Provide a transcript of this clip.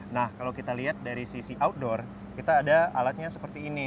nah kalau kita lihat dari sisi outdoor kita ada alatnya seperti ini